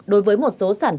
đối với một số sản phẩm